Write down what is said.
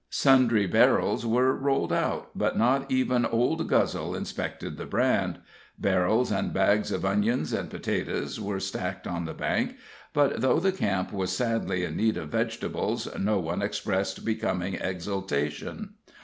Sundry barrels were rolled out, but not even old Guzzle inspected the brand; barrels and bags of onions and potatoes were stacked on the bank, but though the camp was sadly in need of vegetables, no one expressed becoming exultation.